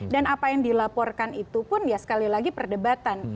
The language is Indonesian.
dan apa yang dilaporkan itu pun ya sekali lagi perdebatan